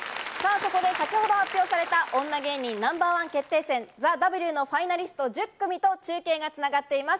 ここで先ほど発表された『女芸人Ｎｏ．１決定戦ＴＨＥＷ』のファイナリスト１０組と中継がつながっています。